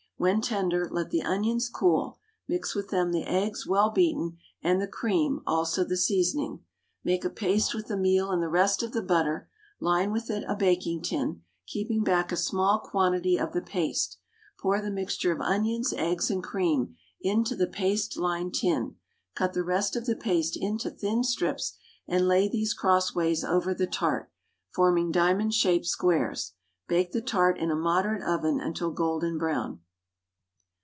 When tender let the onions cool, mix with them the eggs, well beaten, and the cream, also the seasoning. Make a paste with the meal and the rest of the butter, line with it a baking tin, keeping back a small quantity of the paste; pour the mixture of onions, eggs, and cream into the paste lined tin, cut the rest of the paste into thin strips, and lay these crossways over the tart, forming diamond shaped squares; bake the tart in a moderate oven until golden brown.